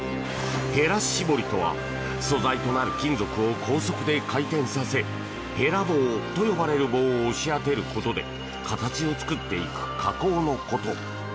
へら絞りとは素材となる金属を高速で回転させへら棒と呼ばれる棒を押し当てることで形を作っていく加工のこと。